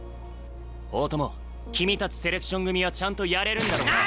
大友君たちセレクション組はちゃんとやれるんだろうな？